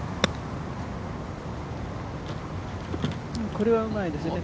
これはうまいですね